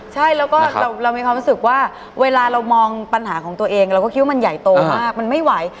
ใช่แล้วก็เรามีความรู้สึกว่าเวลาเรามองปัญหาของตัวเองเราก็คิดว่ามันใหญ่โตมากมันไม่ไหว